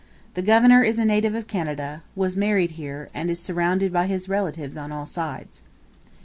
The governor is a native of Canada, was married here, and is surrounded by his relatives on all sides.'